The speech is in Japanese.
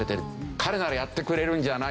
彼ならやってくれるんじゃないか。